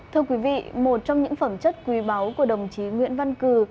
thưa quý vị một trong những phẩm chất quý báu của đồng chí nguyễn văn cử